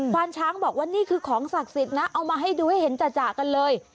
วานช้างบอกว่านี่คือของศักดิ์สิทธิ์นะเอามาให้ดูให้เห็นจ่ะกันเลย